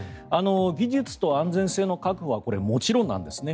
技術と安全性の確保はもちろんなんですね。